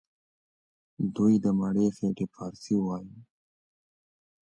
دوی له نېستي پر مړه انګرېږي وايي.